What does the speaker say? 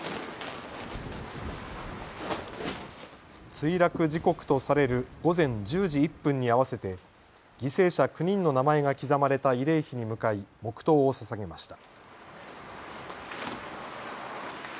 墜落時刻とされる午前１０時１分に合わせて犠牲者９人の名前が刻まれた慰霊碑に向かい黙とうをささげました。